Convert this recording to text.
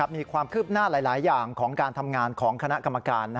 มีความคืบหน้าหลายอย่างของการทำงานของคณะกรรมการ